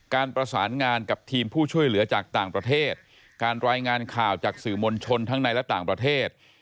การประสานงานกับทีมผู้ช่วยเหลือจากต่างประเทศการรายงานข่าวจากสื่อมวลชนทั้งในและต่างประเทศ